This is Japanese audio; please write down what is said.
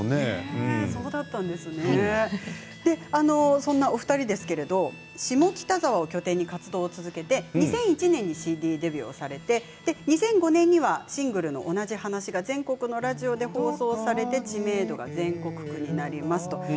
そんなお二人ですけど下北沢を拠点に活動を続けて２００１年にＣＤデビューをされて２００５年にはシングル「おなじ話」が全国のラジオで放送されて知名度は全国区になります。